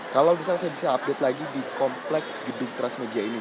kalau misalnya saya bisa update lagi di kompleks gedung transmedia ini